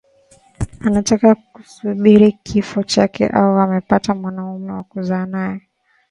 Unataka kusubiri kifo chako Au umepata mwanaume wa kuzaa nae